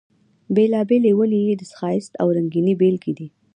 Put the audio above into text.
بېلابېلې ونې یې د ښایست او رنګینۍ بېلګې دي.